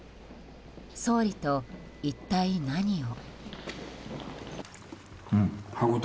総理と一体何を。